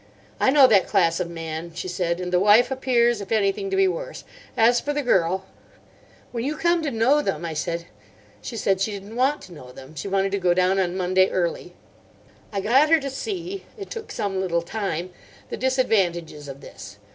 "I know that class of man," she said; "and the wife appears, if anything, to be worse. As for the girl—" "When you come to know them—" I said. She said she didn't want to know them. She wanted to go down on Monday, early. I got her to see—it took some little time—the disadvantages of this.